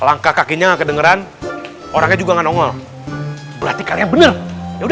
langkah kakinya kedengeran orangnya juga nongol berarti kalian nev